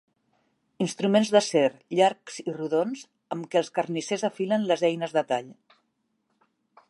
Instruments d'acer, llargs i rodons, amb què els carnissers afilen les eines de tall.